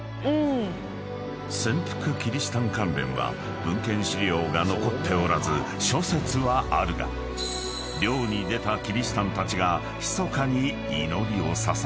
［潜伏キリシタン関連は文献資料が残っておらず諸説はあるが漁に出たキリシタンたちが］